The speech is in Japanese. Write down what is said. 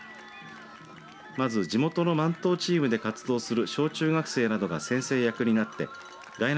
まず、地元の万灯チームで活動する小中学生などが先生役になってがいな